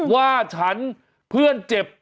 ว่าฉันเพื่อนเจ็บ